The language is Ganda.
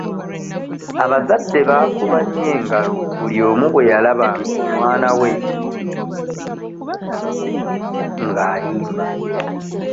Abazadde baakuba nnyo engalo buli omu bwe yalabanga omwana we nga ayimba.